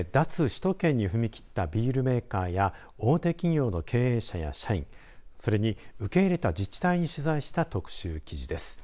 首都圏に踏み切ったビールメーカーや大手企業の経営者や社員、それに受け入れた自治体に取材した特集記事です。